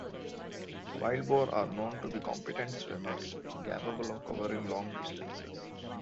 Wild boar are known to be competent swimmers, capable of covering long distances.